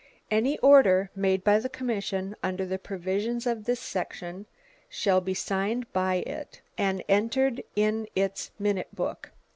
Any order made by the commission under the provisions of this section shall be signed by it, and entered in its minute book.